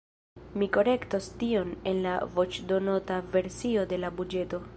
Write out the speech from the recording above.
Mi korektos tion en la voĉdonota versio de la buĝeto.